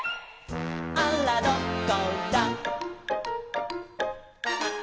「あらどこだ」